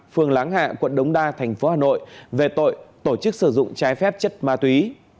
phường láng hạ quận đống đa thành phố hà nội về tội tổ chức sử dụng trái phép chất ma túy